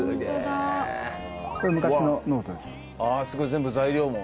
全部材料も。